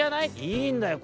「いいんだよ